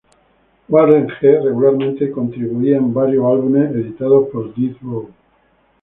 Warren G regularmente contribuía en varios álbumes editados por Death Row.